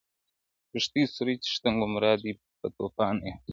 • کښتۍ سورۍ څښتن ګمراه دی په توپان اعتبار نسته -